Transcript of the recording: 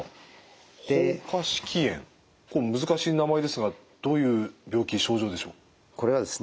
これ難しい名前ですがどういう病気症状でしょう？